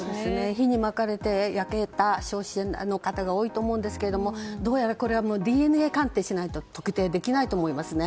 火に巻かれ焼けた焼死者の方が多いと思うんですけどこれはＤＮＡ鑑定しないと特定できないと思いますね。